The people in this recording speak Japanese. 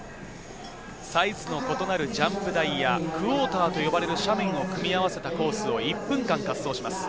サイズの異なるジャンプ台やクォーターと呼ばれる斜面を組み合わせたコースを１分間、滑走します。